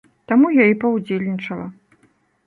Таму я і паўдзельнічала.